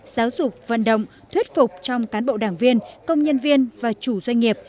giáo dục vận động thuyết phục trong cán bộ đảng viên công nhân viên và chủ doanh nghiệp